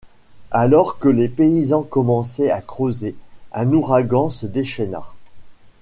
Alors que les paysans commençaient à creuser, un ouragan se déchaîna.